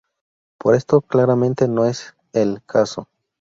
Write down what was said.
Pero esto claramente no es el caso.